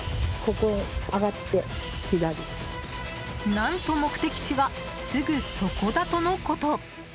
何と、目的地はすぐそこだとのこと。